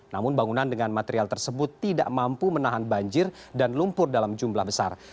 namun bangunan dengan material tersebut tidak mampu menahan banjir dan lumpur dalam jumlah besar